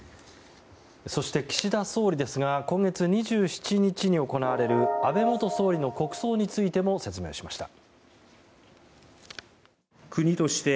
そして、岸田総理ですが今月２７日に行われる安倍元総理の国葬についても説明しました。